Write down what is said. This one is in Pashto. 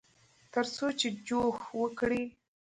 ترڅو چې جوښ وکړي.